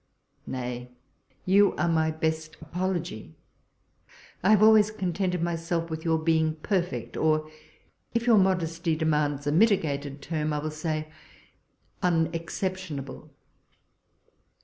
Nay, you are my best apology. I have always contented my self with your being perfect, or, if your modesty F— 27 162 walpole's letters. demands a mitigated term, I will say, unexcep tionable.